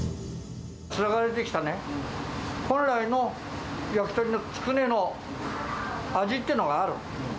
つながれてきたね、本来の焼き鳥のつくねの味っていうのがある。